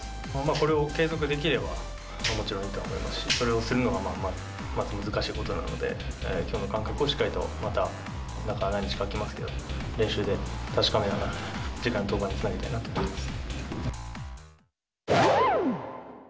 これを継続できれば、もちろんいいとは思いますし、それをするのが、また難しいことなので、きょうの感覚をしっかりと、また中何日かあきますけど、練習で確かめながら、子どもってこんなにペタペタ触ってるの！？